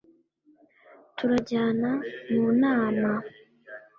turajya munama.